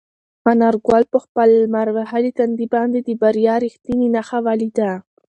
انارګل په خپل لمر وهلي تندي باندې د بریا رښتینې نښه ولیده.